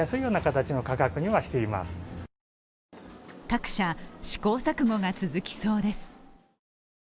各社、試行錯誤が続きそうです。